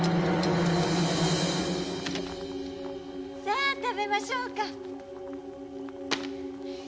さあ食べましょうか。